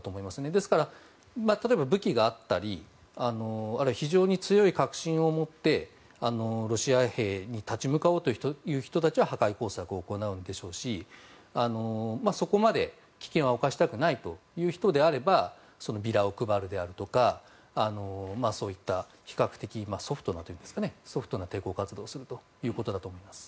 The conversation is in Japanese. ですから、例えば武器があったりあるいは非常に強い確信を持ってロシア兵に立ち向かおうという人たちは破壊工作を行うんでしょうしそこまで危険は冒したくないという人であればビラを配るであるとかそういった比較的ソフトなといいますかソフトな抵抗活動をするということだと思います。